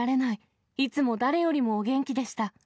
いつも誰よりもお元気でした。